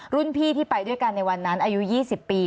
รุ่นพี่ที่ไปด้วยกันในวันนั้นอายุ๒๐ปี